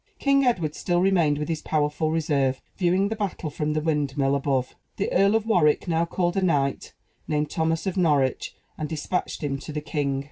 King Edward still remained with his powerful reserve, viewing the battle from the windmill above. The Earl of Warwick now called a knight, named Thomas of Norwich, and despatched him to the king.